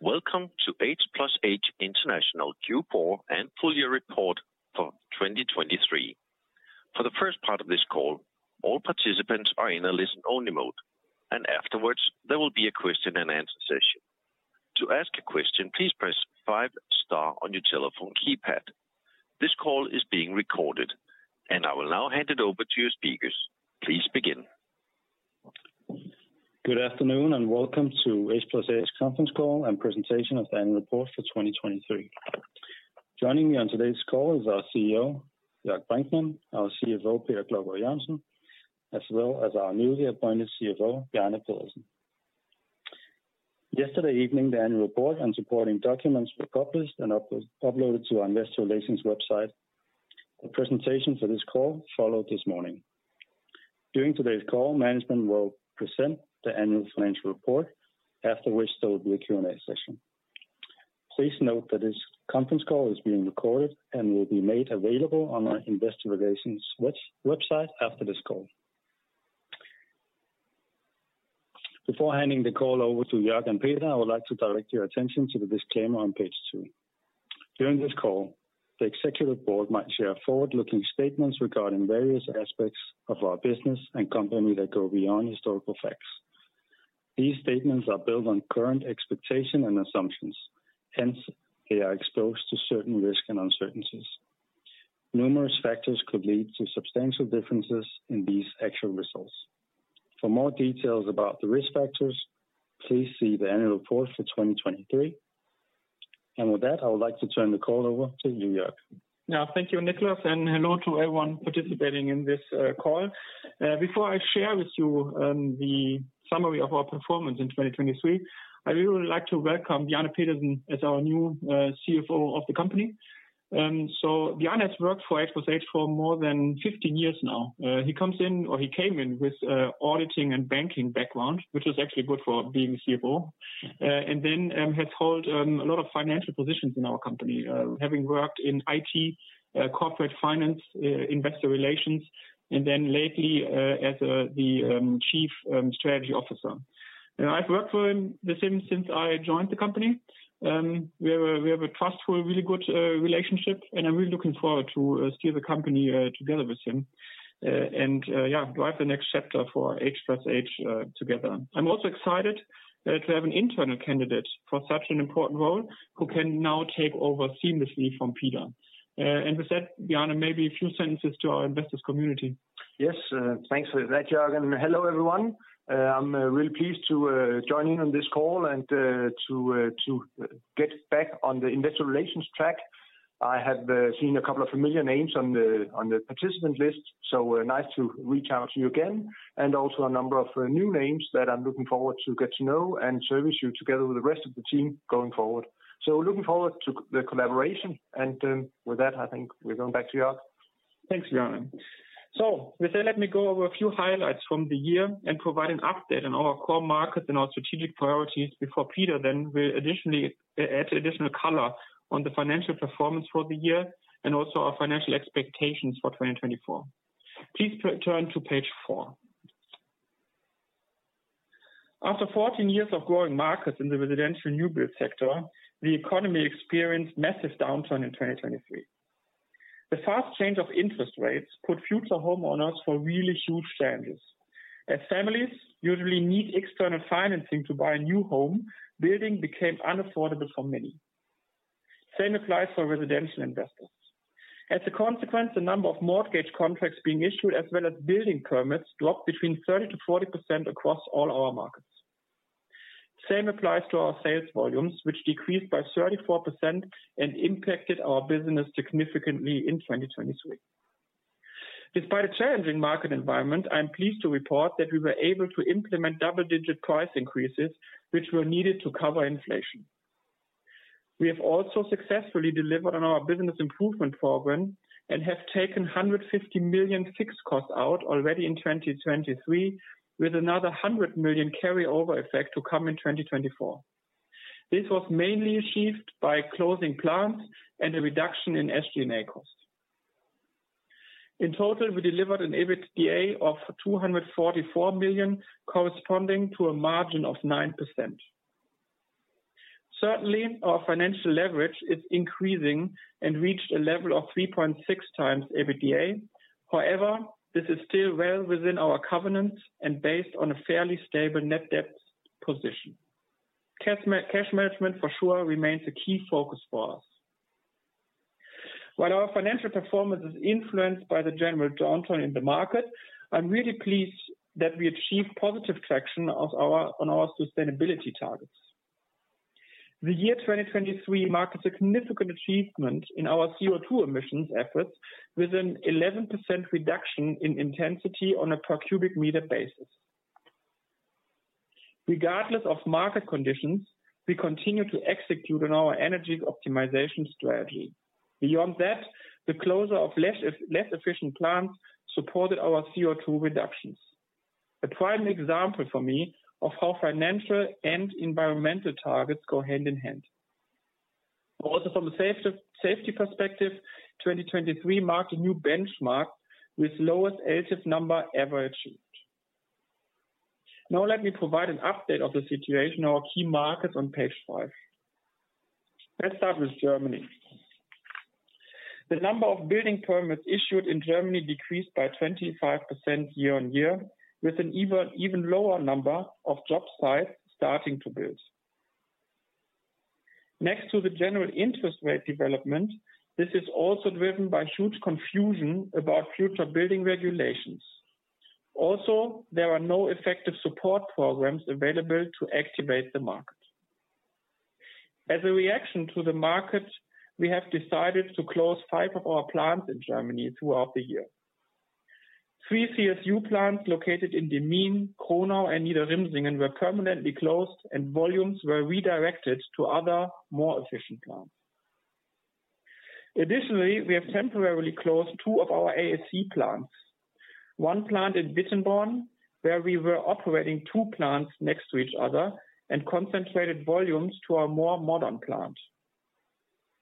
Welcome to H+H International Q4 and full-year report for 2023. For the first part of this call, all participants are in a listen-only mode, and afterwards, there will be a question-and-answer session. To ask a question, please press five star on your telephone keypad. This call is being recorded, and I will now hand it over to your speakers. Please begin. Good afternoon, and welcome to H+H conference call and presentation of the annual report for 2023. Joining me on today's call is our CEO, Jörg Brinkmann, our CFO, Peter Klovgaard-Jørgensen, as well as our newly appointed CFO, Bjarne Pedersen. Yesterday evening, the annual report and supporting documents were published and uploaded to our investor relations website. The presentation for this call followed this morning. During today's call, management will present the annual financial report, after which there will be a Q&A session. Please note that this conference call is being recorded and will be made available on our investor relations website after this call. Before handing the call over to Jörg and Peter, I would like to direct your attention to the disclaimer on page two. During this call, the executive board might share forward-looking statements regarding various aspects of our business and company that go beyond historical facts. These statements are built on current expectation and assumptions, hence, they are exposed to certain risks and uncertainties. Numerous factors could lead to substantial differences in these actual results. For more details about the risk factors, please see the annual report for 2023. With that, I would like to turn the call over to you, Jörg. Now, thank you, Niclas, and hello to everyone participating in this call. Before I share with you the summary of our performance in 2023, I really would like to welcome Bjarne Pedersen as our new CFO of the company. So Bjarne has worked for H+H for more than 15 years now. He comes in, or he came in with auditing and banking background, which is actually good for being CFO, and then has held a lot of financial positions in our company. Having worked in IT, corporate finance, investor relations, and then lately as the Chief Strategy Officer. I've worked for him the same since I joined the company. We have a trustful, really good relationship, and I'm really looking forward to steer the company together with him. Yeah, drive the next chapter for H+H together. I'm also excited to have an internal candidate for such an important role, who can now take over seamlessly from Peter. With that, Bjarne, maybe a few sentences to our investors community. Yes, thanks for that, Jörg, and hello, everyone. I'm really pleased to join in on this call and to get back on the investor relations track. I have seen a couple of familiar names on the participant list, so nice to reach out to you again, and also a number of new names that I'm looking forward to get to know and service you together with the rest of the team going forward. So looking forward to the collaboration, and with that, I think we're going back to Jörg. Thanks, Bjarne. So with that, let me go over a few highlights from the year and provide an update on our core markets and our strategic priorities before Peter then will additionally add additional color on the financial performance for the year and also our financial expectations for 2024. Please turn to page four. After 14 years of growing markets in the residential new build sector, the economy experienced massive downturn in 2023. The fast change of interest rates put future homeowners for really huge challenges. As families usually need external financing to buy a new home, building became unaffordable for many. Same applies for residential investors. As a consequence, the number of mortgage contracts being issued, as well as building permits, dropped between 30%-40% across all our markets. Same applies to our sales volumes, which decreased by 34% and impacted our business significantly in 2023. Despite a challenging market environment, I'm pleased to report that we were able to implement double-digit price increases, which were needed to cover inflation. We have also successfully delivered on our business improvement program and have taken 150 million fixed costs out already in 2023, with another 100 million carryover effect to come in 2024. This was mainly achieved by closing plants and a reduction in SG&A costs. In total, we delivered an EBITDA of 244 million, corresponding to a margin of 9%. Certainly, our financial leverage is increasing and reached a level of 3.6x EBITDA. However, this is still well within our covenants and based on a fairly stable net debt position. Cash management, for sure, remains a key focus for us. While our financial performance is influenced by the general downturn in the market, I'm really pleased that we achieved positive traction on our sustainability targets. The year 2023 marked a significant achievement in our CO2 emissions efforts, with an 11% reduction in intensity on a per cubic meter basis. Regardless of market conditions, we continue to execute on our energy optimization strategy. Beyond that, the closure of less efficient plants supported our CO2 reductions. A prime example for me of how financial and environmental targets go hand in hand. Also from a safety perspective, 2023 marked a new benchmark with lowest LTIF number ever achieved. Now let me provide an update of the situation of our key markets on page five. Let's start with Germany. The number of building permits issued in Germany decreased by 25% year-on-year, with an even lower number of job sites starting to build. Next to the general interest rate development, this is also driven by huge confusion about future building regulations. Also, there are no effective support programs available to activate the market. As a reaction to the market, we have decided to close 5 of our plants in Germany throughout the year. 3 CSU plants located in Demmin, Kronau, and Niederrimsingen were permanently closed, and volumes were redirected to other, more efficient plants. Additionally, we have temporarily closed 2 of our AAC plants. One plant in Wittenborn, where we were operating two plants next to each other and concentrated volumes to our more modern plant.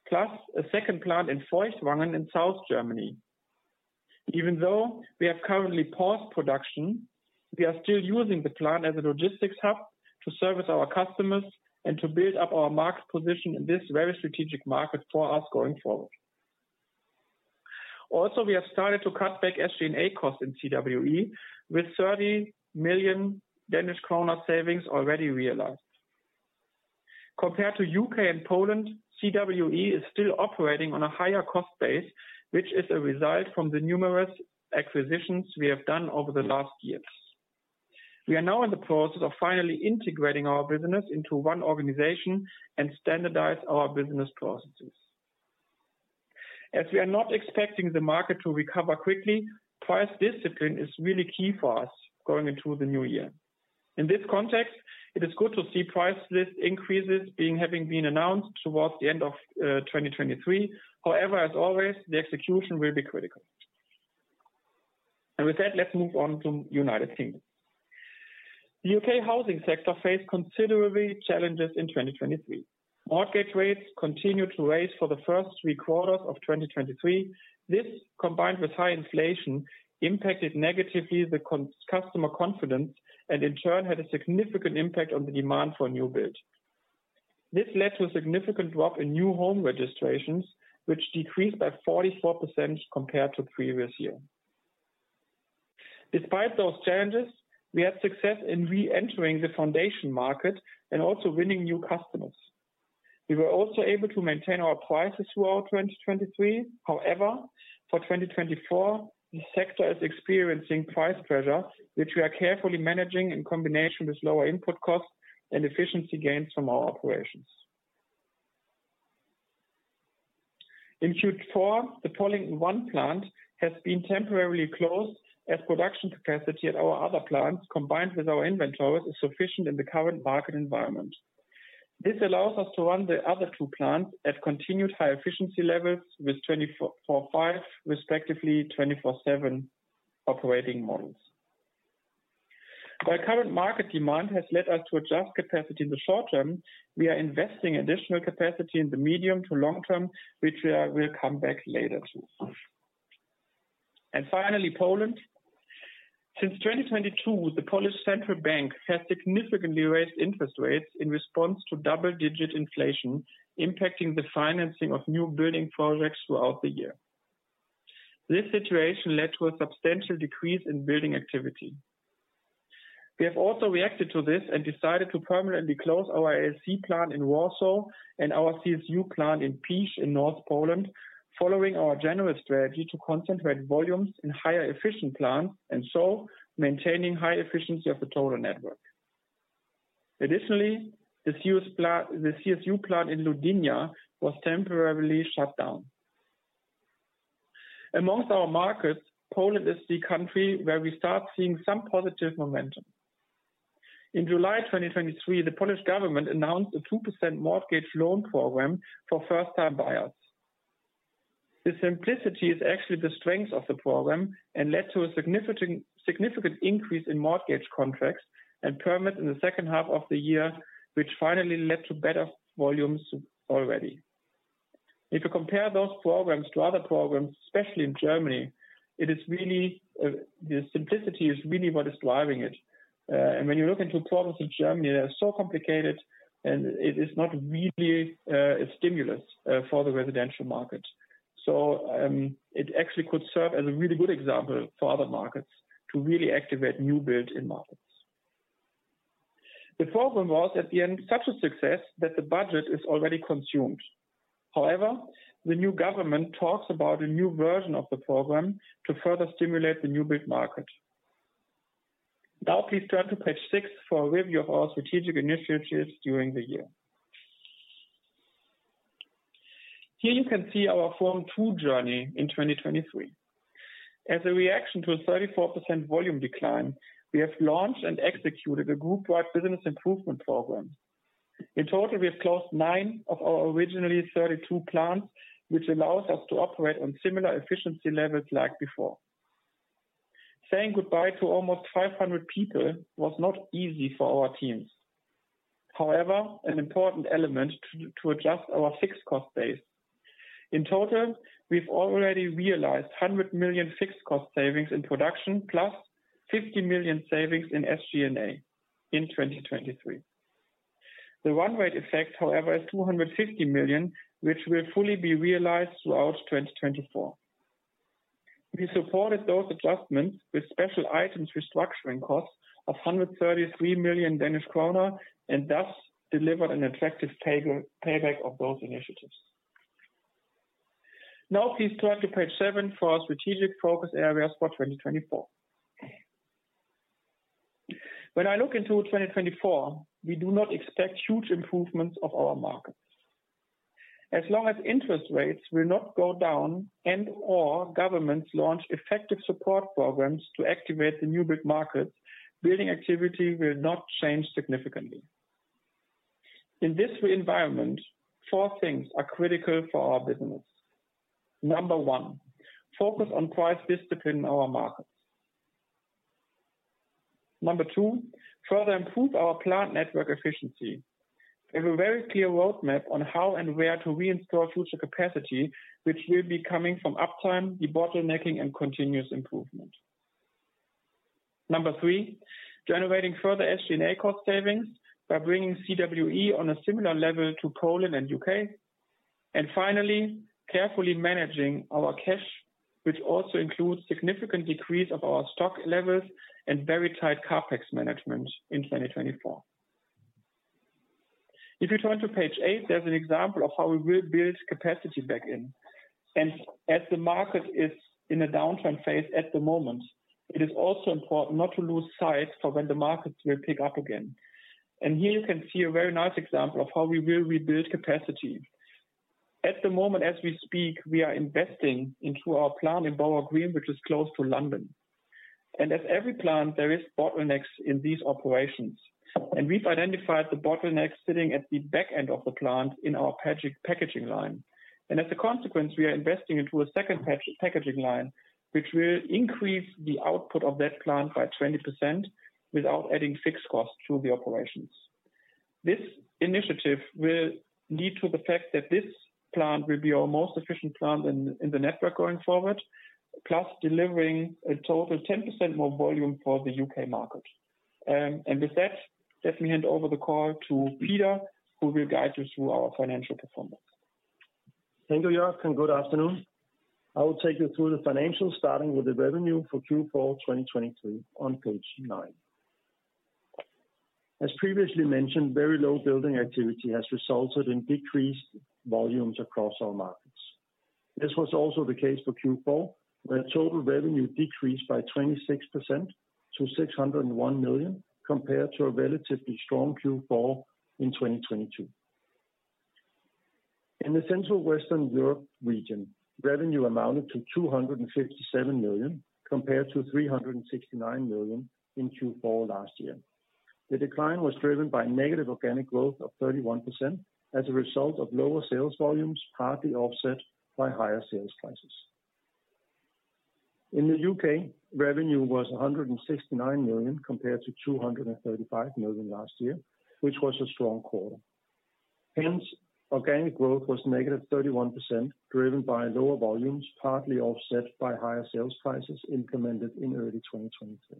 Plus, a second plant in Feuchtwangen in South Germany. Even though we have currently paused production, we are still using the plant as a logistics hub to service our customers and to build up our market position in this very strategic market for us going forward. Also, we have started to cut back SG&A costs in CWE, with 30 million Danish kroner savings already realized. Compared to U.K. and Poland, CWE is still operating on a higher cost base, which is a result from the numerous acquisitions we have done over the last years. We are now in the process of finally integrating our business into one organization and standardize our business processes. As we are not expecting the market to recover quickly, price discipline is really key for us going into the new year. In this context, it is good to see price list increases being having been announced towards the end of 2023. However, as always, the execution will be critical. And with that, let's move on to United Kingdom. The U.K. housing sector faced considerable challenges in 2023. Mortgage rates continued to rise for the first three quarters of 2023. This, combined with high inflation, impacted negatively the customer confidence, and in turn, had a significant impact on the demand for new build. This led to a significant drop in new home registrations, which decreased by 44% compared to previous year. Despite those challenges, we had success in reentering the foundation market and also winning new customers. We were also able to maintain our prices throughout 2023. However, for 2024, the sector is experiencing price pressure, which we are carefully managing in combination with lower input costs and efficiency gains from our operations. In Q4, the Pollington plant has been temporarily closed as production capacity at our other plants, combined with our inventories, is sufficient in the current market environment. This allows us to run the other two plants at continued high efficiency levels, with 24/5, respectively, 24/7 operating models. While current market demand has led us to adjust capacity in the short term, we are investing additional capacity in the medium to long term, which we will come back to later. Finally, Poland. Since 2022, the Polish Central Bank has significantly raised interest rates in response to double-digit inflation, impacting the financing of new building projects throughout the year. This situation led to a substantial decrease in building activity. We have also reacted to this and decided to permanently close our AAC plant in Warsaw and our CSU plant in Pieszyce in North Poland, following our general strategy to concentrate volumes in higher efficient plant, and so maintaining high efficiency of the total network. Additionally, the CSU plant in Ludynia was temporarily shut down. Among our markets, Poland is the country where we start seeing some positive momentum. In July 2023, the Polish government announced a 2% mortgage loan program for first-time buyers. The simplicity is actually the strength of the program and led to a significant, significant increase in mortgage contracts and permits in the second half of the year, which finally led to better volumes already. If you compare those programs to other programs, especially in Germany, it is really, the simplicity is really what is driving it. And when you look into programs in Germany, they are so complicated, and it is not really a stimulus for the residential market. So, it actually could serve as a really good example for other markets to really activate new build in markets. The program was, at the end, such a success that the budget is already consumed. However, the new government talks about a new version of the program to further stimulate the new build market. Now please turn to page six for a review of our strategic initiatives during the year. Here you can see our From-To journey in 2023. As a reaction to a 34% volume decline, we have launched and executed a group-wide business improvement program. In total, we have closed nine of our originally 32 plants, which allows us to operate on similar efficiency levels like before. Saying goodbye to almost 500 people was not easy for our teams. However, an important element to adjust our fixed cost base. In total, we've already realized 100 million fixed cost savings in production, plus 50 million savings in SG&A in 2023. The one-rate effect, however, is 250 million, which will fully be realized throughout 2024. We supported those adjustments with special items restructuring costs of 133 million Danish kroner, and thus delivered an effective payback of those initiatives. Now please turn to page seven for our strategic focus areas for 2024. When I look into 2024, we do not expect huge improvements of our markets. As long as interest rates will not go down and/or governments launch effective support programs to activate the new build markets, building activity will not change significantly. In this environment, four things are critical for our business. Number one, focus on price discipline in our markets. Number two, further improve our plant network efficiency. We have a very clear roadmap on how and where to reinstall future capacity, which will be coming from uptime, debottlenecking, and continuous improvement. Number three, generating further SG&A cost savings by bringing CWE on a similar level to Poland and U.K.. And finally, carefully managing our cash, which also includes significant decrease of our stock levels and very tight CapEx management in 2024. If you turn to pageeight, there's an example of how we will build capacity back in. And as the market is in a downturn phase at the moment, it is also important not to lose sight for when the markets will pick up again. Here you can see a very nice example of how we will rebuild capacity. At the moment, as we speak, we are investing into our plant in Borough Green, which is close to London. At every plant, there is bottlenecks in these operations, and we've identified the bottlenecks sitting at the back end of the plant in our packaging line. As a consequence, we are investing into a second packaging line, which will increase the output of that plant by 20% without adding fixed costs to the operations. This initiative will lead to the fact that this plant will be our most efficient plant in the network going forward, plus delivering a total 10% more volume for the U.K. market. With that, let me hand over the call to Peter, who will guide you through our financial performance. Thank you, Jörg, and good afternoon. I will take you through the financials, starting with the revenue for Q4 2023 on page 9. As previously mentioned, very low building activity has resulted in decreased volumes across our markets. This was also the case for Q4, where total revenue decreased by 26% to 601 million, compared to a relatively strong Q4 in 2022. In the Central Western Europe region, revenue amounted to 257 million, compared to 369 million in Q4 last year. The decline was driven by negative organic growth of 31% as a result of lower sales volumes, partly offset by higher sales prices. In the U.K., revenue was 169 million, compared to 235 million last year, which was a strong quarter. Hence, organic growth was negative 31%, driven by lower volumes, partly offset by higher sales prices implemented in early 2023.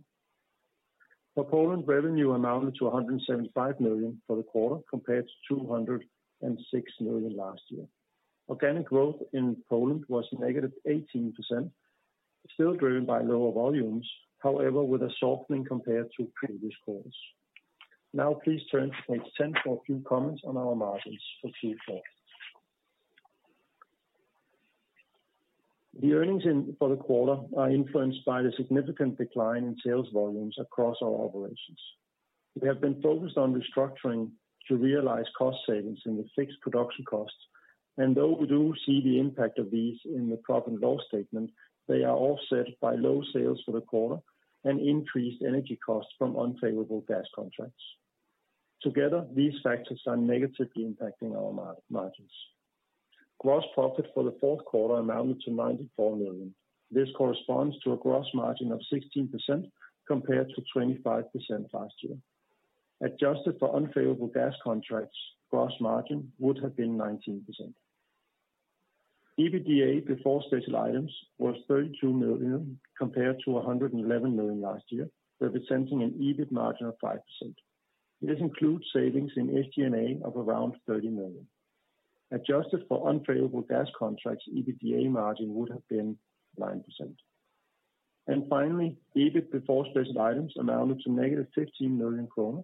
For Poland, revenue amounted to 175 million for the quarter, compared to 206 million last year. Organic growth in Poland was negative 18%, still driven by lower volumes, however, with a softening compared to previous quarters. Now please turn to page 10 for a few comments on our margins for Q4. The earnings in for the quarter are influenced by the significant decline in sales volumes across all operations. We have been focused on restructuring to realize cost savings in the fixed production costs, and though we do see the impact of these in the profit and loss statement, they are offset by low sales for the quarter and increased energy costs from unfavorable gas contracts. Together, these factors are negatively impacting our margins. Gross profit for the fourth quarter amounted to 94 million. This corresponds to a gross margin of 16%, compared to 25% last year. Adjusted for unfavorable gas contracts, gross margin would have been 19%. EBITDA before special items was 32 million, compared to 111 million last year, representing an EBIT margin of 5%. This includes savings in SG&A of around 30 million. Adjusted for unfavorable gas contracts, EBITDA margin would have been 9%. And finally, EBIT before special items amounted to -15 million kroner,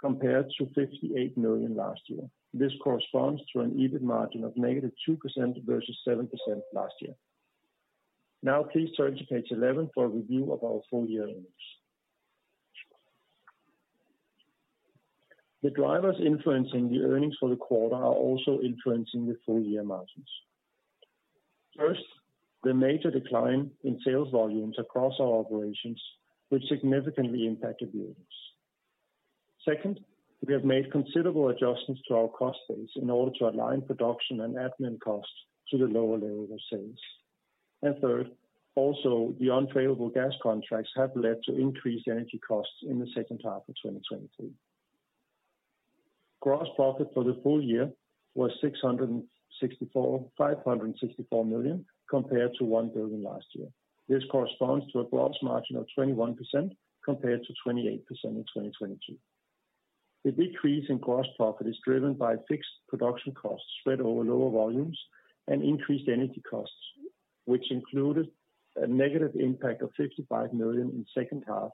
compared to 58 million last year. This corresponds to an EBIT margin of -2% versus 7% last year. Now please turn to page 11 for a review of our full year earnings. The drivers influencing the earnings for the quarter are also influencing the full year margins. First, the major decline in sales volumes across our operations, which significantly impacted the earnings. Second, we have made considerable adjustments to our cost base in order to align production and admin costs to the lower level of sales. Third, also, the unfavorable gas contracts have led to increased energy costs in the second half of 2023. Gross profit for the full year was 564 million, compared to 1 billion last year. This corresponds to a gross margin of 21%, compared to 28% in 2022. The decrease in gross profit is driven by fixed production costs spread over lower volumes and increased energy costs, which included a negative impact of 55 million in second half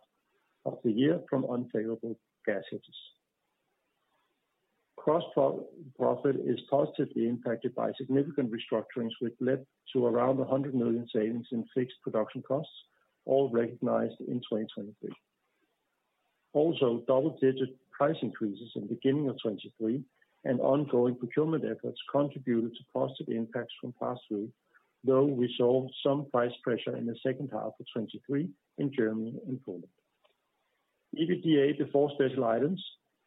of the year from unfavorable gas hedges. Gross profit is positively impacted by significant restructurings, which led to around 100 million savings in fixed production costs, all recognized in 2023. Also, double-digit price increases in the beginning of 2023 and ongoing procurement efforts contributed to positive impacts from pass-through, though we saw some price pressure in the second half of 2023 in Germany and Poland. EBITDA before special items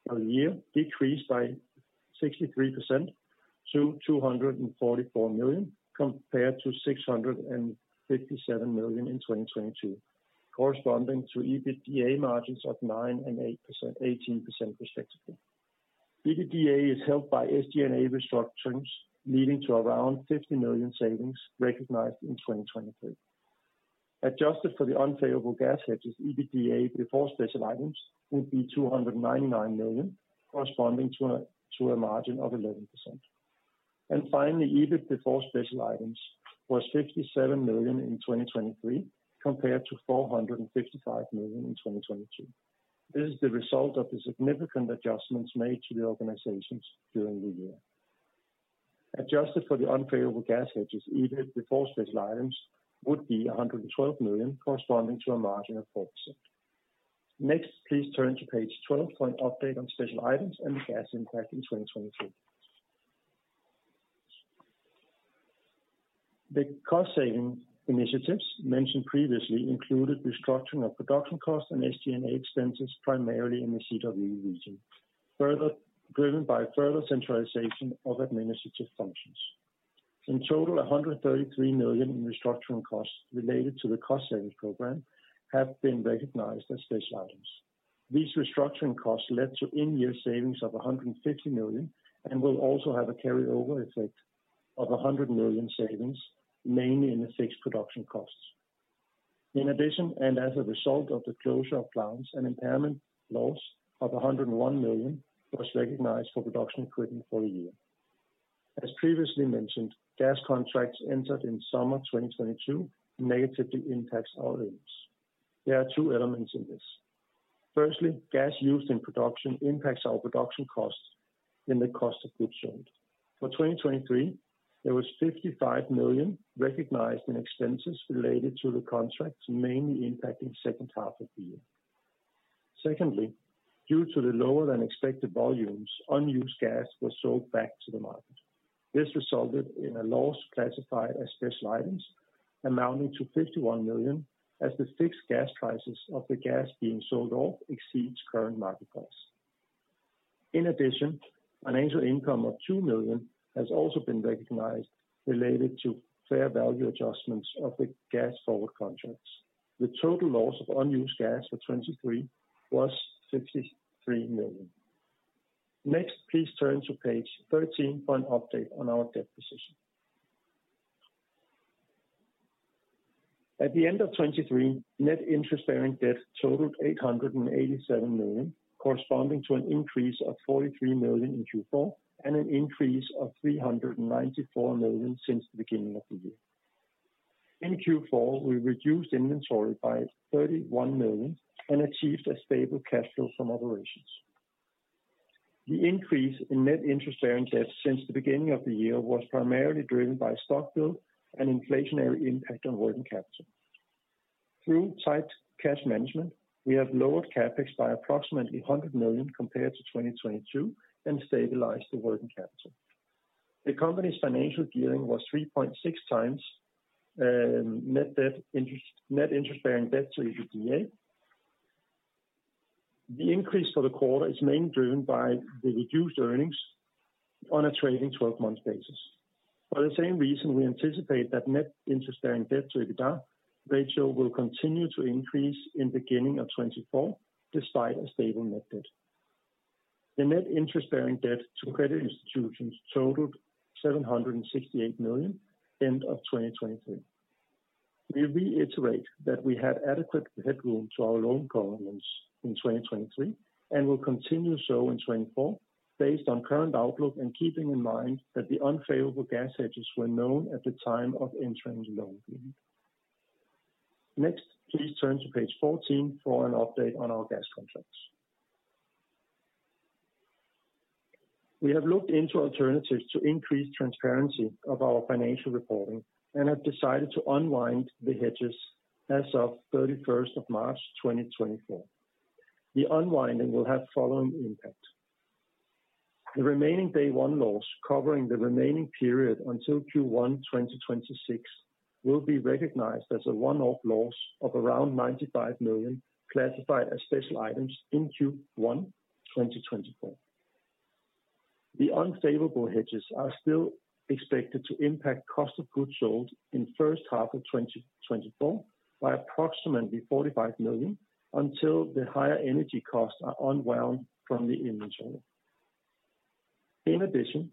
for the year decreased by 63% to 244 million, compared to 657 million in 2022, corresponding to EBITDA margins of 9.8% and 18% respectively. EBITDA is helped by SG&A restructurings, leading to around 50 million savings recognized in 2023. Adjusted for the unfavorable gas hedges, EBITDA before special items would be 299 million, corresponding to a, to a margin of 11%. Finally, EBIT before special items was 57 million in 2023, compared to 455 million in 2022. This is the result of the significant adjustments made to the organizations during the year. Adjusted for the unfavorable gas hedges, EBIT before special items would be 112 million, corresponding to a margin of 4%. Next, please turn to page 12 for an update on special items and the gas impact in 2023. The cost-saving initiatives mentioned previously included restructuring of production costs and SG&A expenses, primarily in the CWE region, further driven by further centralization of administrative functions. In total, 133 million in restructuring costs related to the cost savings program have been recognized as special items. These restructuring costs led to in-year savings of 150 million, and will also have a carryover effect of 100 million savings, mainly in the fixed production costs. In addition, and as a result of the closure of plants, an impairment loss of 101 million was recognized for production equipment for the year. As previously mentioned, gas contracts entered in summer 2022 negatively impacts our earnings. There are two elements in this: firstly, gas used in production impacts our production costs and the cost of goods sold. For 2023, there was 55 million recognized in expenses related to the contracts, mainly impacting second half of the year. Secondly, due to the lower than expected volumes, unused gas was sold back to the market. This resulted in a loss classified as special items amounting to 51 million, as the fixed gas prices of the gas being sold off exceeds current market price. In addition, financial income of 2 million has also been recognized related to fair value adjustments of the gas forward contracts. The total loss of unused gas for 2023 was 53 million. Next, please turn to page 13 for an update on our debt position. At the end of 2023, net interest-bearing debt totaled 887 million, corresponding to an increase of 43 million in Q4, and an increase of 394 million since the beginning of the year. In Q4, we reduced inventory by 31 million and achieved a stable cash flow from operations. The increase in net interest-bearing debt since the beginning of the year was primarily driven by stock build and inflationary impact on working capital. Through tight cash management, we have lowered CapEx by approximately 100 million compared to 2022 and stabilized the working capital. The company's financial gearing was 3.6x net interest-bearing debt to EBITDA. The increase for the quarter is mainly driven by the reduced earnings on a trailing twelve-month basis. For the same reason, we anticipate that net interest-bearing debt to EBITDA ratio will continue to increase in beginning of 2024, despite a stable net debt. The net interest-bearing debt to credit institutions totaled 768 million end of 2023. We reiterate that we have adequate headroom to our loan covenants in 2023, and will continue so in 2024, based on current outlook and keeping in mind that the unfavorable gas hedges were known at the time of entering the loan agreement. Next, please turn to page 14 for an update on our gas contracts. We have looked into alternatives to increase transparency of our financial reporting and have decided to unwind the hedges as of March 31, 2024. The unwinding will have following impact. The remaining day one loss covering the remaining period until Q1 2026, will be recognized as a one-off loss of around 95 million, classified as special items in Q1 2024. The unfavorable hedges are still expected to impact cost of goods sold in first half of 2024 by approximately 45 million, until the higher energy costs are unwound from the inventory. In addition,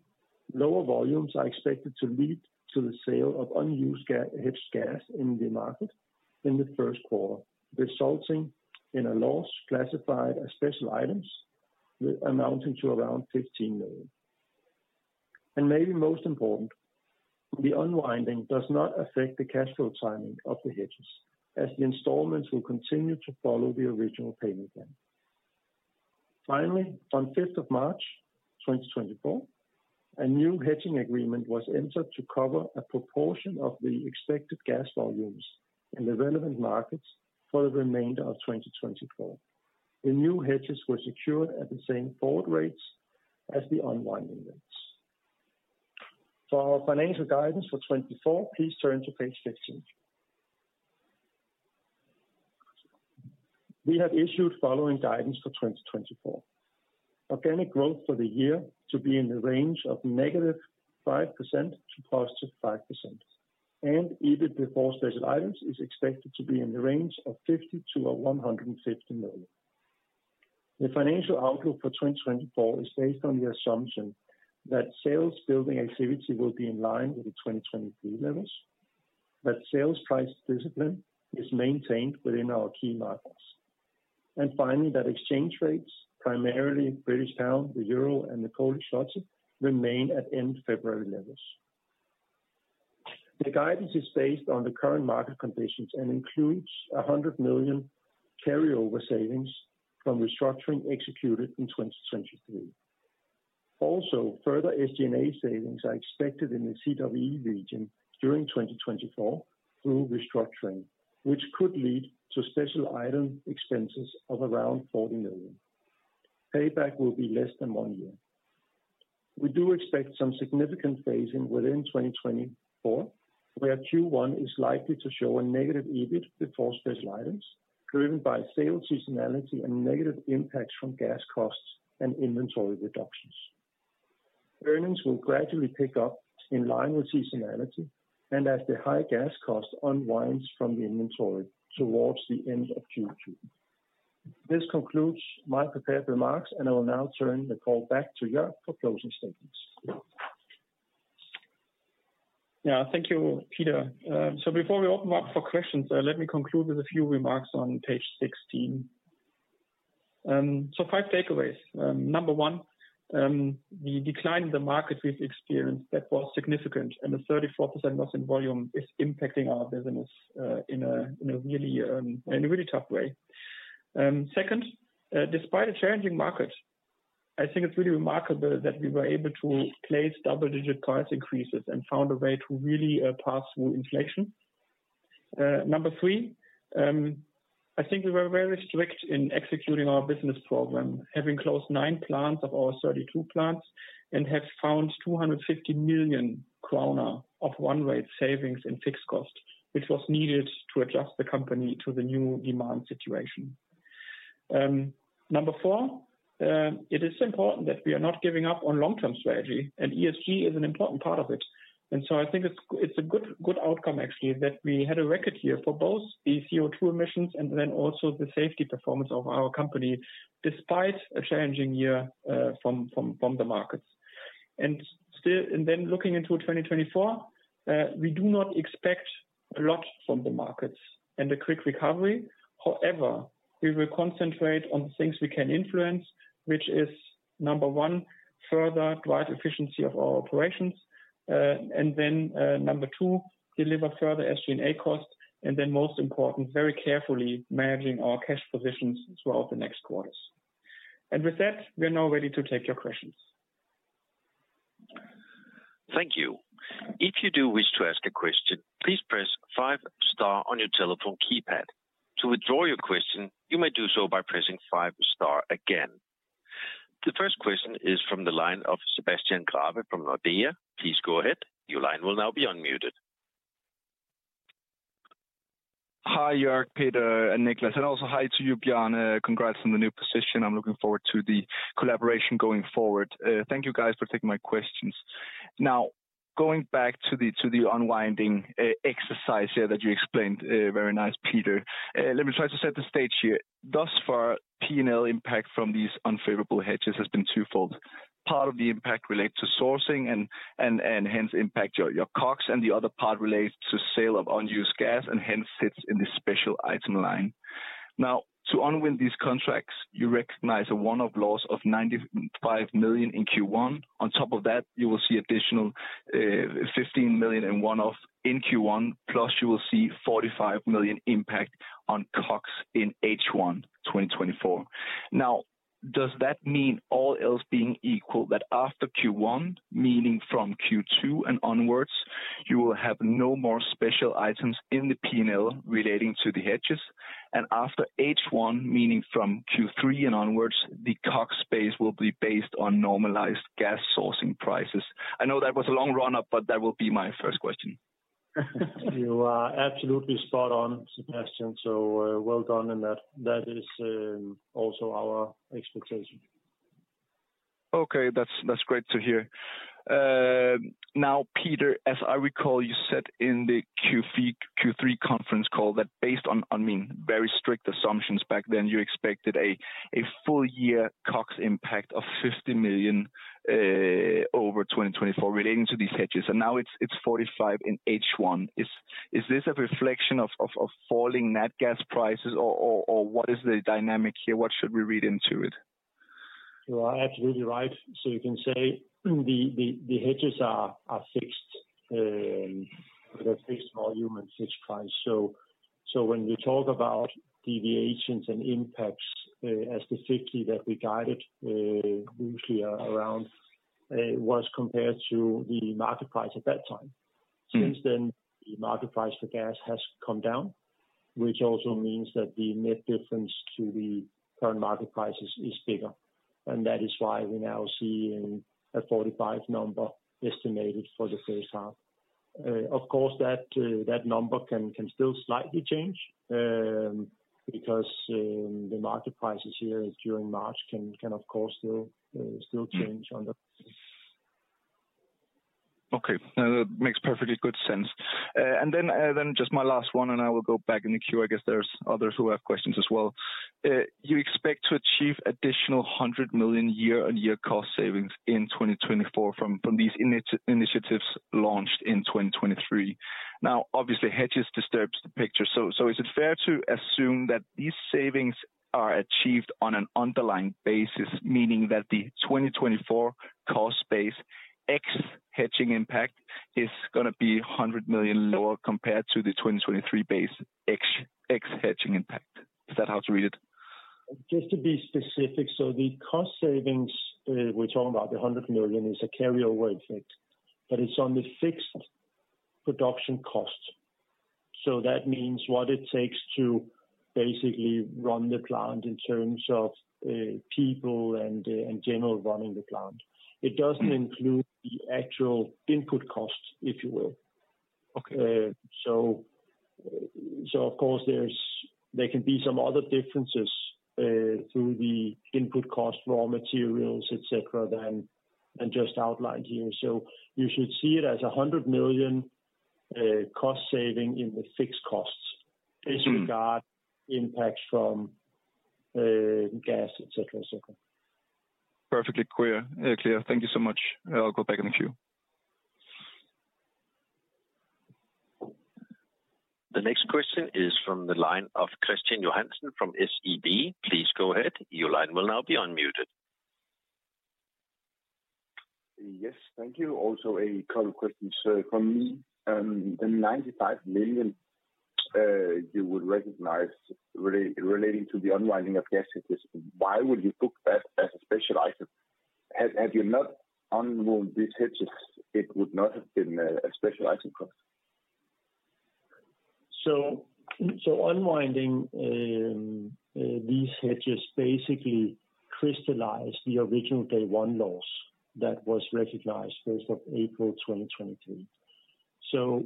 lower volumes are expected to lead to the sale of unused gas-hedged gas in the market in the first quarter, resulting in a loss classified as special items, amounting to around 15 million. And maybe most important, the unwinding does not affect the cash flow timing of the hedges, as the installments will continue to follow the original payment plan. Finally, on fifth of March, 2024, a new hedging agreement was entered to cover a proportion of the expected gas volumes in the relevant markets for the remainder of 2024. The new hedges were secured at the same forward rates as the unwinding rates. For our financial guidance for 2024, please turn to page 16. We have issued following guidance for 2024. Organic growth for the year to be in the range of -5% to +5%, and EBIT before special items is expected to be in the range of 50 million-150 million. The financial outlook for 2024 is based on the assumption that sales building activity will be in line with the 2023 levels, that sales price discipline is maintained within our key markets. And finally, that exchange rates, primarily British pound, the euro, and the Polish zloty, remain at end February levels. The guidance is based on the current market conditions and includes 100 million carryover savings from restructuring executed in 2023. Also, further SG&A savings are expected in the CWE region during 2024 through restructuring, which could lead to special item expenses of around 40 million. Payback will be less than one year. We do expect some significant phasing within 2024, where Q1 is likely to show a negative EBIT before special items, driven by sales seasonality and negative impacts from gas costs and inventory reductions. Earnings will gradually pick up in line with seasonality and as the high gas cost unwinds from the inventory towards the end of Q2. This concludes my prepared remarks, and I will now turn the call back to Jörg for closing statements. Yeah, thank you, Peter. So before we open up for questions, let me conclude with a few remarks on page 16. So five takeaways. Number one, the decline in the market we've experienced, that was significant, and a 34% loss in volume is impacting our business in a really tough way. Second, despite a challenging market, I think it's really remarkable that we were able to place double-digit price increases and found a way to really pass through inflation. Number three, I think we were very strict in executing our business program, having closed 9 plants of our 32 plants and have found 250 million kroner of one-off savings in fixed cost, which was needed to adjust the company to the new demand situation. Number four, it is important that we are not giving up on long-term strategy, and ESG is an important part of it. And so I think it's a good outcome, actually, that we had a record year for both the CO2 emissions and then also the safety performance of our company, despite a challenging year from the markets. And still, and then looking into 2024, we do not expect a lot from the markets and a quick recovery. However, we will concentrate on things we can influence, which is, number one, further drive efficiency of our operations. And then, number two, deliver further SG&A costs, and then most important, very carefully managing our cash positions throughout the next quarters. And with that, we are now ready to take your questions. Thank you. If you do wish to ask a question, please press five star on your telephone keypad. To withdraw your question, you may do so by pressing five star again. The first question is from the line of Sebastian Grave from Nordea. Please go ahead. Your line will now be unmuted. Hi, Jörg, Peter, and Nicholas, and also hi to you, Bjarne. Congrats on the new position. I'm looking forward to the collaboration going forward. Thank you guys for taking my questions. Now, going back to the unwinding exercise here that you explained very nice, Peter. Let me try to set the stage here. Thus far, P&L impact from these unfavorable hedges has been twofold. Part of the impact relates to sourcing and hence impact your COGS, and the other part relates to sale of unused gas, and hence sits in the special item line. Now, to unwind these contracts, you recognize a one-off loss of 95 million in Q1. On top of that, you will see additional fifteen million in one-off in Q1, plus you will see 45 million impact on COGS in H1, 2024. Now, does that mean, all else being equal, that after Q1, meaning from Q2 and onwards, you will have no more special items in the P&L relating to the hedges? After H1, meaning from Q3 and onwards, the COGS base will be based on normalized gas sourcing prices. I know that was a long run-up, but that will be my first question. You are absolutely spot on, Sebastian, so, well done in that. That is, also our expectation. Okay, that's, that's great to hear. Now, Peter, as I recall, you said in the Q3 conference call that based on I mean very strict assumptions back then, you expected a full year COGS impact of 50 million over 2024 relating to these hedges, and now it's 45 in H1. Is this a reflection of falling net gas prices, or what is the dynamic here? What should we read into it? You are absolutely right. So you can say, the hedges are fixed with a fixed volume and fixed price. So when we talk about deviations and impacts, as the 50 that we guided, usually around, was compared to the market price at that time. Since then, the market price for gas has come down, which also means that the net difference to the current market prices is bigger, and that is why we're now seeing a 45 number estimated for the first half. Of course, that number can still slightly change, because the market prices here during March can, of course, still change on the Okay. No, that makes perfectly good sense. And then just my last one, and I will go back in the queue. I guess there's others who have questions as well. You expect to achieve additional 100 million year-on-year cost savings in 2024 from these initiatives launched in 2023. Now, obviously, hedging disturbs the picture, so is it fair to assume that these savings are achieved on an underlying basis, meaning that the 2024 cost base, ex hedging impact, is going to be 100 million lower compared to the 2023 base, ex hedging impact? Is that how to read it? Just to be specific, so the cost savings we're talking about, 100 million, is a carryover effect, but it's on the fixed production cost. So that means what it takes to basically run the plant in terms of, people and, and general running the plant. It doesn't include the actual input costs, if you will. Okay. So, of course, there can be some other differences through the input cost, raw materials, et cetera, than just outlined here. So you should see it as 100 million cost saving in the fixed costs, as regards impacts from gas, et cetera, et cetera. Perfectly clear, clear. Thank you so much. I'll go back in the queue. The next question is from the line of Kristian Tornøe Johansen from SEB. Please go ahead. Your line will now be unmuted. Yes, thank you. Also, a couple questions from me. The 95 million you would recognize relating to the unwinding of gas hedges, why would you book that as a special item? Had you not unwound these hedges, it would not have been a special item cost? So unwinding these hedges basically crystallized the original day one loss that was recognized first of April 2023. So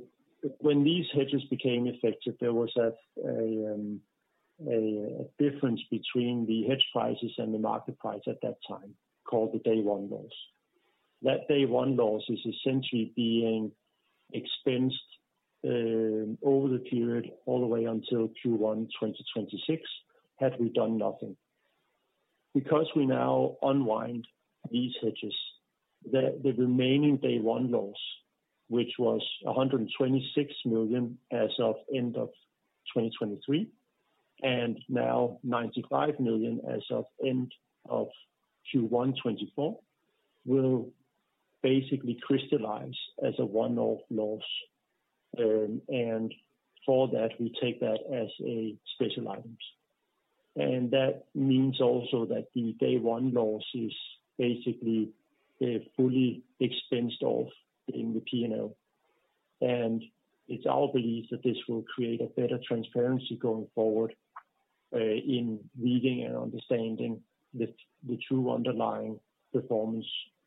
when these hedges became effective, there was a difference between the hedge prices and the market price at that time, called the day one loss. That day one loss is essentially being expensed over the period, all the way until Q1 2026, had we done nothing. Because we now unwind these hedges, the remaining day one loss, which was 126 million as of end of 2023, and now 95 million as of end of Q1 2024, will basically crystallize as a one-off loss. And for that, we take that as special items. And that means also that the day one loss is basically fully expensed off in the P&L. It's our belief that this will create a better transparency going forward, in reading and understanding the true underlying performance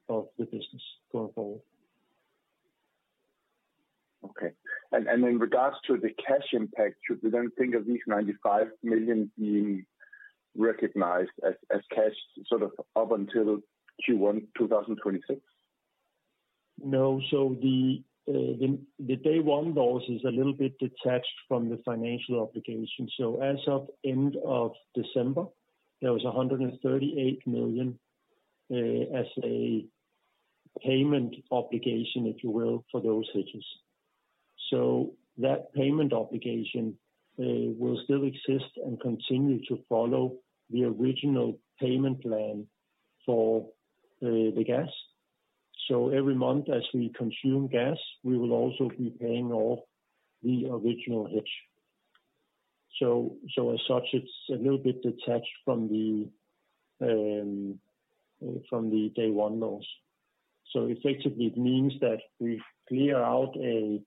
of the business going forward. Okay. And in regards to the cash impact, should we then think of these 95 million being recognized as cash, sort of up until Q1 2026? No. So the day one loss is a little bit detached from the financial obligation. So as of end of December, there was 138 million as a payment obligation, if you will, for those hedges. So that payment obligation will still exist and continue to follow the original payment plan for the gas. So as such, it's a little bit detached from the day one loss. So effectively, it means that we clear out the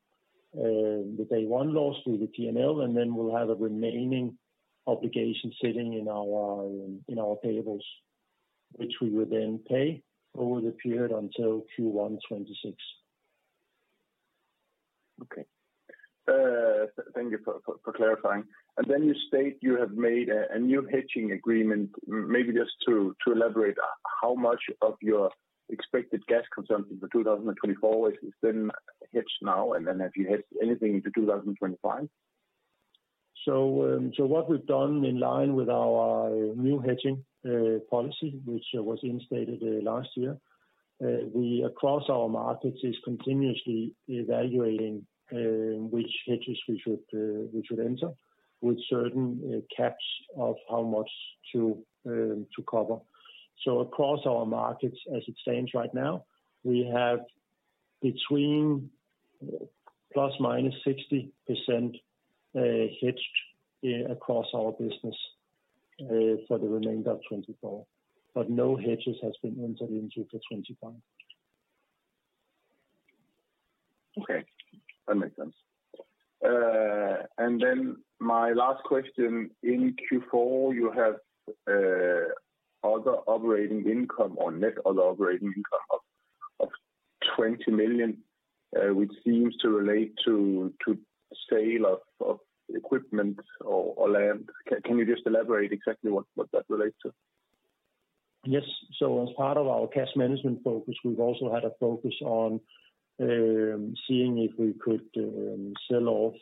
day one loss through the TNL, and then we'll have a remaining obligation sitting in our payables, which we will then pay over the period until Q1 2026. Okay. Thank you for clarifying. And then you state you have made a new hedging agreement. Maybe just to elaborate, how much of your expected gas consumption for 2024 is then hedged now, and then have you hedged anything into 2025? So what we've done in line with our new hedging policy, which was instated last year, we across our markets is continuously evaluating which hedges we should we should enter, with certain caps of how much to to cover. So across our markets, as it stands right now, we have between ±60% hedged across our business for the remainder of 2024, but no hedges has been entered into for 2025. Okay, that makes sense. And then my last question: in Q4, you have other operating income or net other operating income of 20 million, which seems to relate to sale of equipment or land. Can you just elaborate exactly what that relates to? Yes. So as part of our cash management focus, we've also had a focus on seeing if we could sell off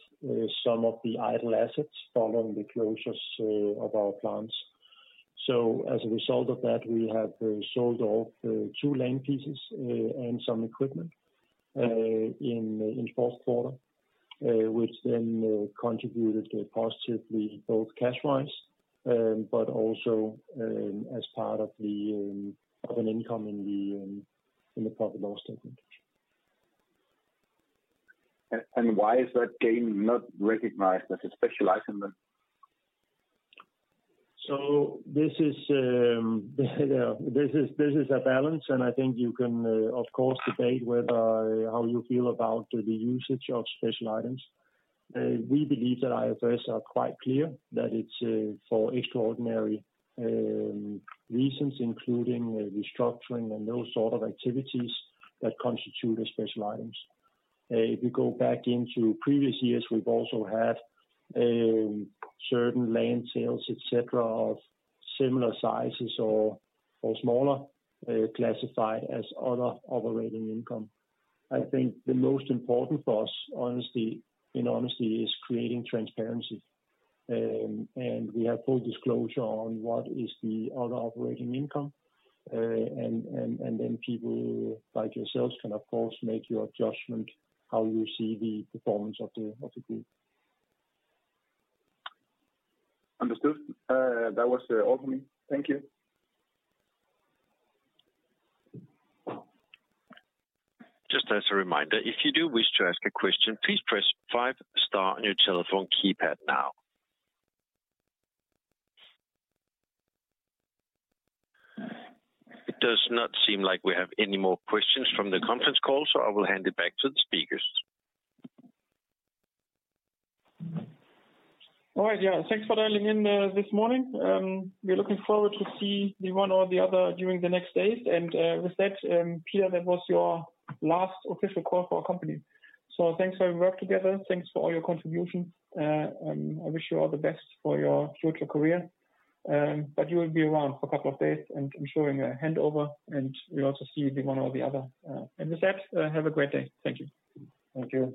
some of the idle assets following the closures of our plants. So as a result of that, we have sold off two land pieces and some equipment in fourth quarter, which then contributed positively, both cash-wise, but also as part of an income in the profit loss statement. Why is that gain not recognized as a special item then? So this is a balance, and I think you can, of course, debate whether how you feel about the usage of special items. We believe that IFRS are quite clear that it's for extraordinary reasons, including restructuring and those sort of activities, that constitute as special items. If you go back into previous years, we've also had certain land sales, et cetera, of similar sizes or smaller classified as other operating income. I think the most important for us, honestly, in honesty, is creating transparency. And we have full disclosure on what is the other operating income, and then people like yourselves can, of course, make your judgment how you see the performance of the group. Understood. That was all for me. Thank you. Just as a reminder, if you do wish to ask a question, please press five star on your telephone keypad now. It does not seem like we have any more questions from the conference call, so I will hand it back to the speakers. All right, yeah. Thanks for dialing in this morning. We're looking forward to see the one or the other during the next days. With that, Peter, that was your last official call for our company, so thanks for your work together. Thanks for all your contribution. I wish you all the best for your future career. But you will be around for a couple of days, and I'm sure in a handover, and we also see the one or the other. With that, have a great day. Thank you. Thank you.